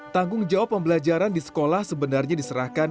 tanggung jawab pembelajaran di sekolah sebenarnya diserahkan